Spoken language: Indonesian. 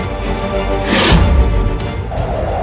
hal yang membuka